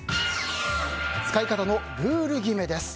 使い方のルール決めです。